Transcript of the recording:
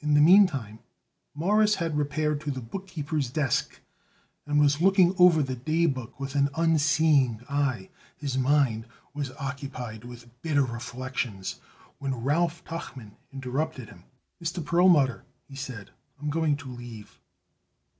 In the meantime Morris had repaired to the bookkeeper's desk and was looking over the daybook with an unseeing eye. His mind was occupied with bitter reflections when Ralph Tuchman interrupted him. "Mr. Perlmutter," he said, "I'm going to leave."